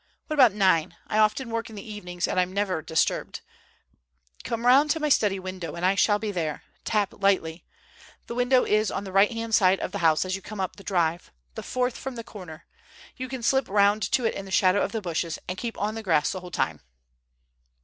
"What about nine? I often work in the evenings, and I'm never disturbed. Come round to my study window and I shall be there. Tap lightly. The window is on the right hand side of the house as you come up the drive, the fourth from the corner. You can slip round to it in the shadow of the bushes, and keep on the grass the whole time."